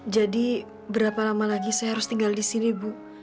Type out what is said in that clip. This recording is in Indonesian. jadi berapa lama lagi saya harus tinggal di sini ibu